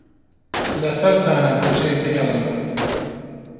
لەسەرتانە بەجێی بهێڵن